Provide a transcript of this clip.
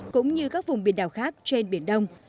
cũng như các vùng biển đảo khác trên biển đông